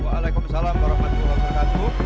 waalaikumsalam warahmatullahi wabarakatuh